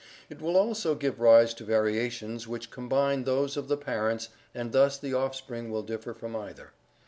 It will also give rise to variations which combine those of the parents and thus the offspring will differ from either.